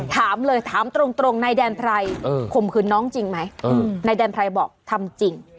ถามเลยถามตรงนายแดนไพรข่มขืนน้องจริงไหมนายแดนไพรบอกทำจริง